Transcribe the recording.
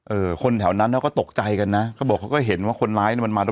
คนแถวนั้นเขาก็ตกใจกันนะเขาบอกเขาก็เห็นว่าคนร้ายเนี่ยมันมาด้วย